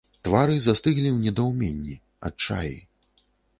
Твары застыглі ў недаўменні, адчаі.